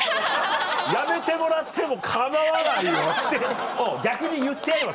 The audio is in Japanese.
「辞めてもらっても構わないよ」って逆に言ってやれば？